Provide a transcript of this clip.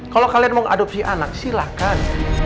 kalau kalian mau mengadopsi anak silahkan